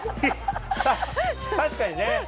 確かにね。